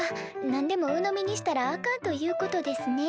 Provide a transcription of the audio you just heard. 何でもうのみにしたらあかんということですね。